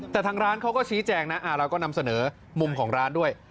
แต่ทางร้านเขาก็ชี้แจงนะเราก็นำเสนอมุมของร้านด้วย